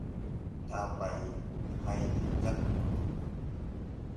Tàabay hay lɛ jag gutug.